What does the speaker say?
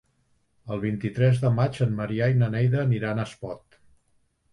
El vint-i-tres de maig en Maria i na Neida aniran a Espot.